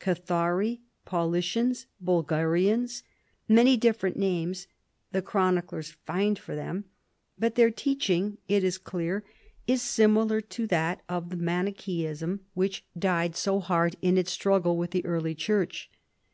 Kathari, Paulicians, Bulgarians, many different names the chroniclers find for them, but their teaching, it is clear, is similar to that of the Manicheism which died vi PHILIP AND THE PAPACY 185 so hard in its struggle with the early church.